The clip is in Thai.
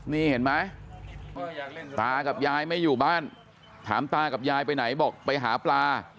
นี่เห็นไหมตากับยายไม่อยู่บ้านถามตากับยายไปไหนบอกไปหาปลา